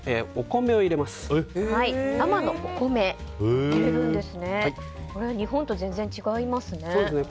これは日本と全然違いますね。